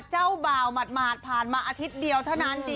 เจ้าบ่าวหมาดผ่านมาอาทิตย์เดียวเท่านั้น